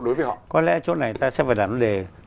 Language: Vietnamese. đối với họ có lẽ chỗ này ta sẽ phải đặt vấn đề